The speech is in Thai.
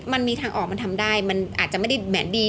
มันมีทางออกมันทำได้มันอาจจะไม่ได้แหวนดี